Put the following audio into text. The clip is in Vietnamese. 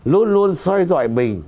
luôn luôn soi dọi mình